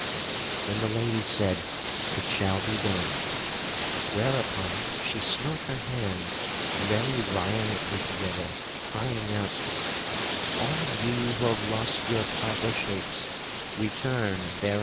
Then the lady said: "It shall be done." Whereupon she smote her hands very violently together crying out: "All ye who have lost your proper shapes, return thereunto."